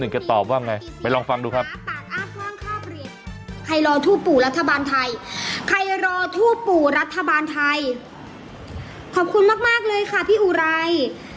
ขอบคุณมากเลยค่ะพี่อุไร